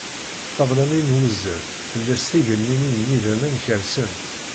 Ṭṭabla-nni n wuzzal fell-as tigelmimin n yidammen kersent.